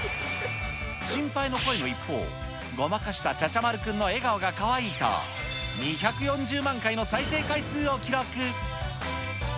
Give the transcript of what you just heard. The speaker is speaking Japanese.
心配の声の一方、ごまかした茶々丸くんの笑顔がかわいいと、２４０万回の再生回数を記録。